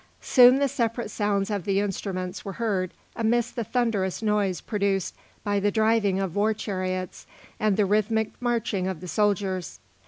Soon the separate sounds of the instruments were heard amidst the thunderous noise produced by the driving of war chariots and the rhythmic marching of the soldiers.